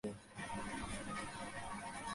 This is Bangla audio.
তিনি আদালত ও মক্কেলদের কথাও ভুলে যেতেন।